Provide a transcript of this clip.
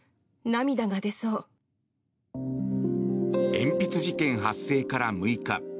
鉛筆事件発生から６日。